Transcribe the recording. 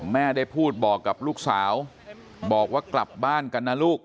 แม่ได้พูดบอกกับลูกสาวบอกว่ากลับบ้านกันนะลูก